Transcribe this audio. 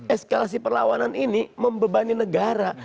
eskalasi perlawanan ini membebani negara